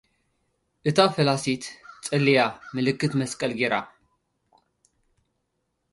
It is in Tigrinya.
እታ ፈላሲት ጸልያ፡ ምልክት መስቀል ገይራ።